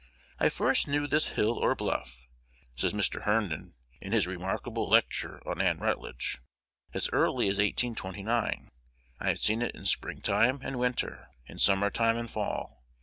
"I first knew this hill, or bluff," says Mr. Herndon, in his remarkable lecture on Ann Rutledge, "as early as 1829. I have seen it in spring time and winter, in summer time and fall.